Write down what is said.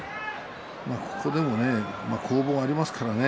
ここでも攻防がありますからね。